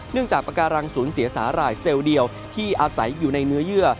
เนื่องจากปาการังศูนย์เสียสาหร่ายเซลเดียวที่อาศัยอยู่ในเนื้อเยื่อ